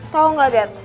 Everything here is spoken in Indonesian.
tau gak dad